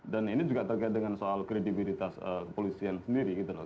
dan ini juga terkait dengan kredibilitas kepolisian sendiri gitu loh